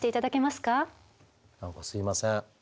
何かすいません。